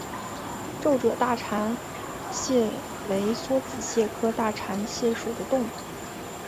皱褶大蟾蟹为梭子蟹科大蟾蟹属的动物。